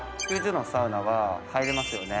℃のサウナは入れますよね。